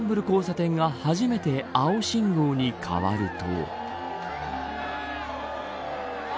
交差点が初めて青信号に変わると。